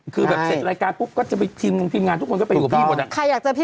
คือเสร็จรายการปุ๊บก็จะมีทีมงานทุกคนไปกับพี่